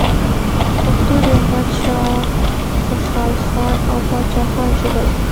پښتو د احمد شاه خوشحالخان او پاچا خان ژبه ده.